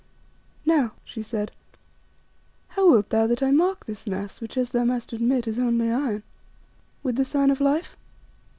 "Now," she said, "how wilt thou that I mark this mass which as thou must admit is only iron? With the sign of Life?